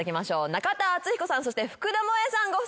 中田敦彦さんそして福田萌さんご夫妻です。